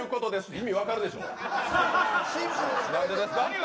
意味分かるでしょう。